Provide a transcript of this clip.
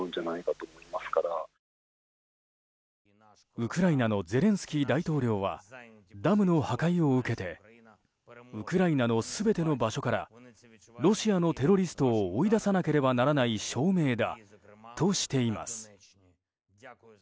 ウクライナのゼレンスキー大統領はダムの破壊を受けてウクライナの全ての場所からロシアのテロリストを追い出さなければならない証明だとしています。